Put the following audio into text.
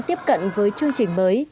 tiếp cận với chương trình mới